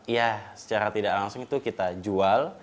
ya secara tidak langsung itu kita jual